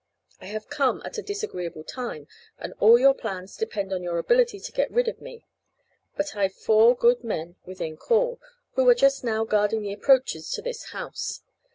I have come at a disagreeable time, and all your plans depend on your ability to get rid of me. But I've four good men within call, who are just now guarding the approaches to this house.